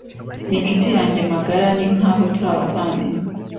Ni inshuti yanjye magara. Ninkaho turi abavandimwe.